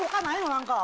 何か。